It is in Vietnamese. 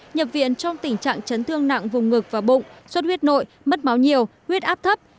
nhập viện trong tình trạng chấn thương nặng vùng ngực và bụng suất huyết nội mất máu nhiều huyết áp thấp